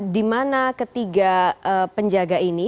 di mana ketiga penjaga ini